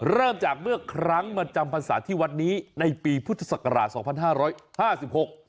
เริ่มจากเมื่อครั้งมาจำพันษาที่วัดนี้ในปีพุทธศักราช๒๕๕๖